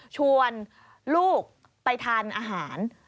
ชวนลูกไปทานอาหาร